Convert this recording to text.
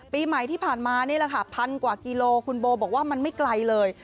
ปีใหม่ที่ผ่านมานี่แหละค่ะพันกว่ากิโลคุณโบบอกว่ามันไม่ไกลเลย